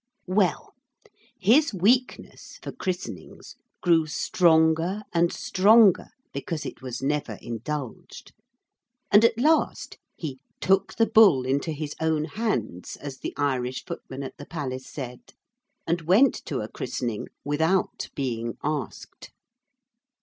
Well, his weakness (for christenings) grew stronger and stronger because it was never indulged, and at last he 'took the bull into his own hands,' as the Irish footman at the palace said, and went to a christening without being asked.